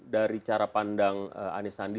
dari cara pandang anies sandi